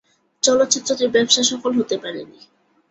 চলচ্চিত্রটি ব্যবসাসফল হতে পারে নি।